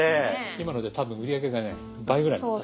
今ので多分売り上げがね倍ぐらいになった。